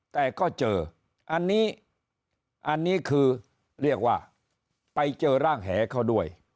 แต่ก็เจออันนี้อันนี้คือเรียกว่าไปเจอร่างแหเขาด้วย